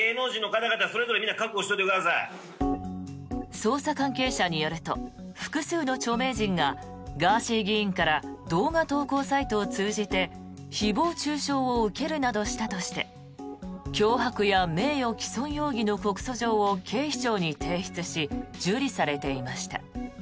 捜査関係者によると複数の著名人がガーシー議員から動画投稿サイトを通じて誹謗・中傷を受けるなどしたとして脅迫や名誉毀損容疑の告訴状を警視庁に提出し受理されていました。